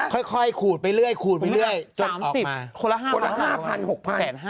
ค่อยค่อยขูดไปเรื่อยขูดไปเรื่อยจดออกมาสามสิบคนละห้าพันหกพัน